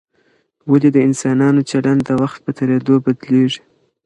ولي د انسانانو چلند د وخت په تېرېدو بدلیږي؟